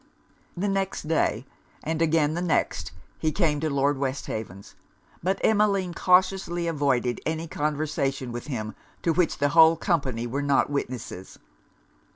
The next day, and again the next, he came to Lord Westhaven's; but Emmeline cautiously avoided any conversation with him to which the whole company were not witnesses.